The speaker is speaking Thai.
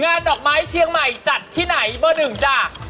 งานดอกไม้เชียงใหม่จัดที่ไหนเบอร์๑จ้ะ